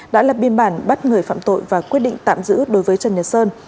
đã lập biên bản bắt người phạm tội và quyết định tạm giữ đối với trần nhật sơn